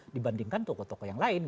dibandingkan tokoh tokoh yang lain